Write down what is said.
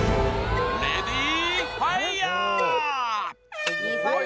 レディファイヤー！